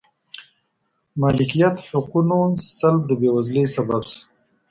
مالکیت حقونو سلب د بېوزلۍ سبب شو.